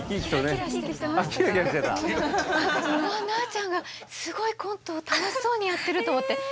なーちゃんがすごいコントを楽しそうにやってると思って。